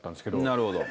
なるほど。